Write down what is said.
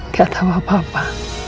gak tahu apa apa